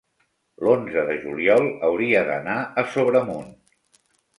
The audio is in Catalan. l'onze de juliol hauria d'anar a Sobremunt.